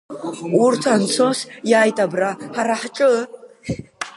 Урҭ анцоз иааит абра, ҳара ҳҿы.